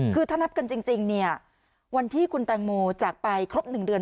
คือถ้านับกันจริงวันที่คุณแตงโมจากไปครบหนึ่งเดือน